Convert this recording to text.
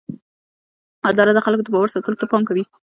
اداره د خلکو د باور ساتلو ته پام کوي.